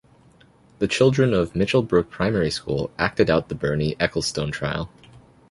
The children of Mitchell Brook Primary School acted out the Bernie Ecclestone trial.